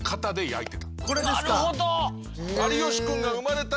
なるほど。